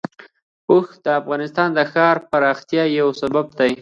اوښ د افغانستان د ښاري پراختیا یو سبب دی.